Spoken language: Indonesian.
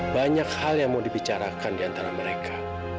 banyak hal yang mau dibicarakan diantara mereka